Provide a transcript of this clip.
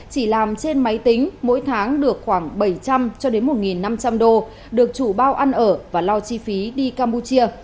chỉ làm trên máy tính mỗi tháng được khoảng bảy trăm linh cho đến một năm trăm linh đô được chủ bao ăn ở và lo chi phí đi campuchia